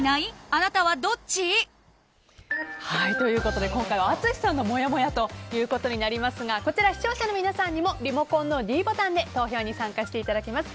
あなたはどっち？ということで、今回は淳さんのもやもやとなりますがこちら視聴者の皆さんにもリモコンのｄボタンで投票に参加していただきます。